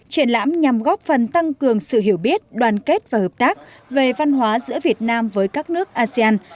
triển lãm nhằm góp phần tăng cường sự hiểu biết đoàn kết và hợp tác về văn hóa giữa việt nam với các nước asean